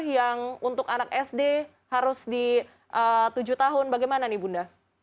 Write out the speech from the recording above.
yang untuk anak sd harus di tujuh tahun bagaimana nih bunda